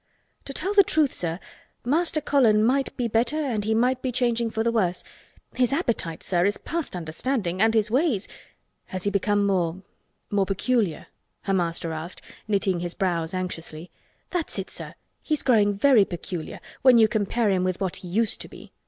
"To tell the truth, sir, Master Colin might be better and he might be changing for the worse. His appetite, sir, is past understanding—and his ways—" "Has he become more—more peculiar?" her master, asked, knitting his brows anxiously. "That's it, sir. He's growing very peculiar—when you compare him with what he used to be.